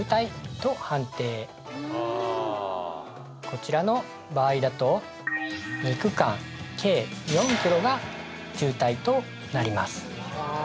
こちらの場合だと２区間計４ｋｍが渋滞となります